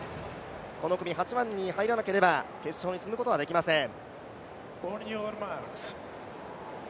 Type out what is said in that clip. この組８番に入らなければ決勝に進むことができません。